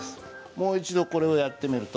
もう一度これをやってみると。